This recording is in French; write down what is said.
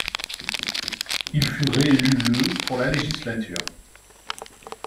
Il fut réélu le pour la législature.